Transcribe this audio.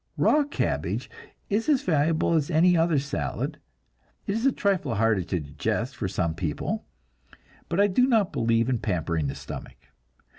Raw cabbage is as valuable as any other salad; it is a trifle harder to digest for some people, but I do not believe in pampering the stomach.